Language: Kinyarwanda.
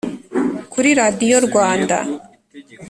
kuri radiyo rwanda